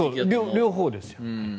両方ですよ。